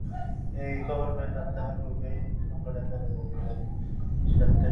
এই খবর যখন পাইলাম তাহার পূর্বেই গোপনে তাড়াতাড়ি তাহার সৎকার শেষ হইয়া গেছে।